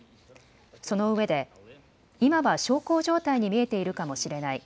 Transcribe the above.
その上で、今は小康状態に見えているかもしれない。